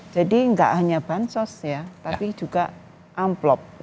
jadi enggak hanya bansos ya tapi juga amplop